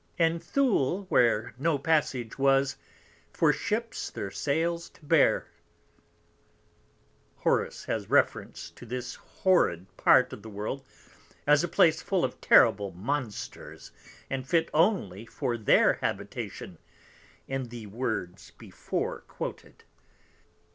And Thule, where no Passage was For Ships their Sails to bear. Horace has reference to this horrid Part of the World, as a Place full of terrible Monsters, and fit only for their Habitation, in the Words before quoted.